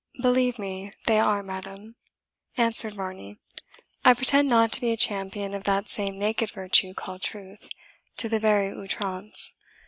"Believe me they are, madam," answered Varney. "I pretend not to be a champion of that same naked virtue called truth, to the very outrance.